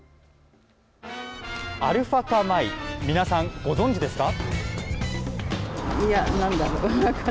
アルファ化米、皆さんご存じですか。